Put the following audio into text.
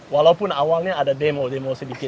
walaupun awalnya ada demo demo sedikit